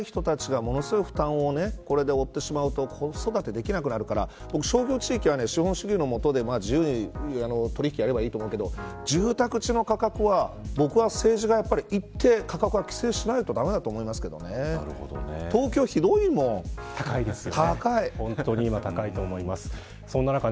若い人たちがものすごい負担をこれで負ってしまうと子育てできなくなるから僕は商業施設が資本主義の元で自由に取引きやればいいと思うけど住宅地の価格は僕は政治が一定価格は規制しないと駄目だと思いますけどね高いですよね。